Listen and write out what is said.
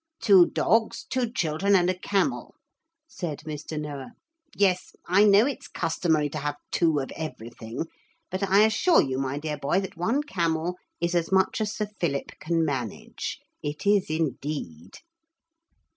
'Two dogs, two children, and a camel,' said Mr. Noah. 'Yes, I know it's customary to have two of everything, but I assure you, my dear boy, that one camel is as much as Sir Philip can manage. It is indeed.'